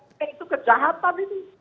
eh itu kejahatan ini